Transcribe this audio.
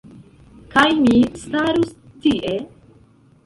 Kaj mi starus tie...